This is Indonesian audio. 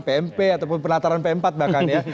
pmp ataupun penataran p empat bahkan ya